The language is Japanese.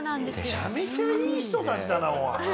めちゃめちゃいい人たちだな。